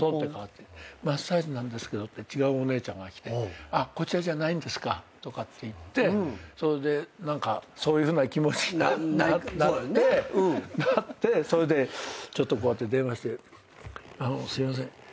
「マッサージなんですけど」って違うお姉ちゃんが来て「あっこちらじゃないんですか」とかって言ってそれで何かそういうふうな気持ちになってなってそれでちょっとこうやって電話して「あのすいません」